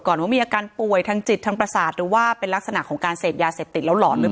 ก่อนว่ามีอาการป่วยทันจิตทางปราสาทหรือว่าเป็นลักษณะของการเศษยาเศตติแล้วล้อนหรือ